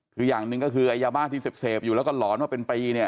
คืออย่างหนึ่งก็คือไอ้ยาบ้าที่เสพอยู่แล้วก็หลอนมาเป็นปีเนี่ย